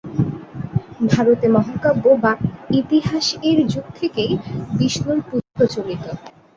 ভারতে মহাকাব্য বা "ইতিহাস"-এর যুগ থেকেই বিষ্ণুর পূজা প্রচলিত।